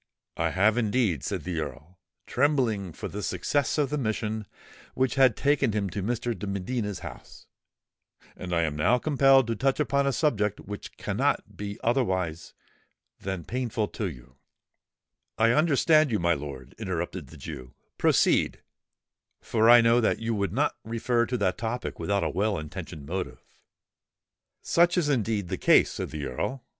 "I have indeed," said the Earl, trembling for the success of the mission which had taken him to Mr. de Medina's house; "and I am now compelled to touch upon a subject which cannot be otherwise than painful to you——" "I understand you, my lord," interrupted the Jew: "proceed—for I know that you would not refer to that topic without a well intentioned motive." "Such is indeed the case," said the Earl.